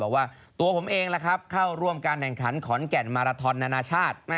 บอกว่าตัวผมเองเข้าร่วมการแข่งขันขอนแก่นมาราทอนนานาชาติ